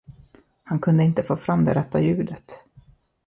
Han kunde inte få fram det rätta ljudet.